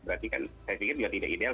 berarti kan saya pikir juga tidak ideal